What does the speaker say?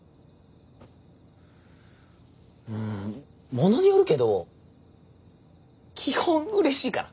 うんものによるけど基本うれしいかな。